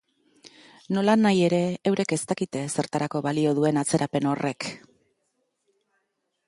Nolanahi ere, eurek ere ez dakite zertarako balio duen atzerapen horrek.